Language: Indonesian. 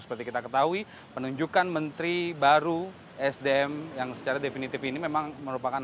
seperti kita ketahui penunjukan menteri baru sdm yang secara definitif ini memang merupakan